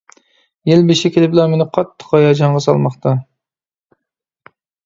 يىل بېشى كېلىپلا مېنى قاتتىق ھاياجانغا سالماقتا.